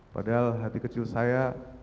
padahal hati kecil saya